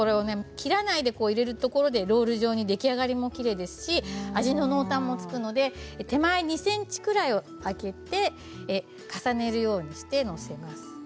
切らないで入れることでロール状で出来上がりもきれいですし味の濃淡もつくので手前２ｃｍぐらい空けて重ねるようにして載せます。